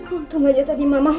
untung aja tadi mama